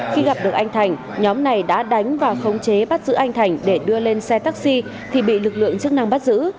khi gặp được anh thành nhóm này đã đánh và khống chế bắt giữ anh thành để đưa lên xe taxi thì bị lực lượng chức năng bắt giữ